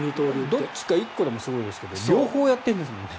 どっちか１個でもすごいですが両方やってるんですもんね。